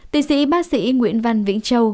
tỷ sĩ bác sĩ nguyễn văn vĩnh châu